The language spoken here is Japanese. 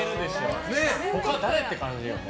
他誰？って感じだよね。